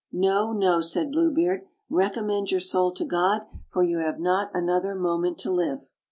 "No, no," said Blue Beard, "recommend your soul to God, for you have not another moment to live."